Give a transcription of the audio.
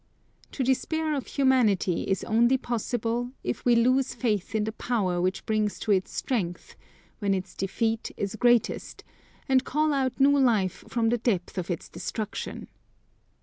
To despair of humanity is only possible, if we lose faith in the power which brings to it strength, when its defeat is greatest, and calls out new life from the depth of its destruction.